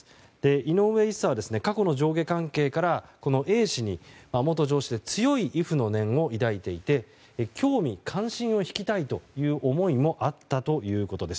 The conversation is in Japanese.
井上１佐は過去の上下関係からＡ氏に元上司で強い畏怖の意念を抱いていて興味・関心を引きたいという思いもあったということです。